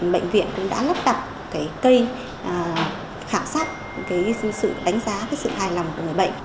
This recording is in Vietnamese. bệnh viện cũng đã lắp đặt cây khảo sát sự đánh giá sự hài lòng của người bệnh